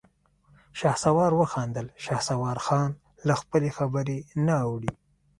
شهسوار وخندل: شهسوارخان له خپلې خبرې نه اوړي.